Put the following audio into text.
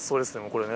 これね。